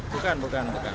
bukan bukan bukan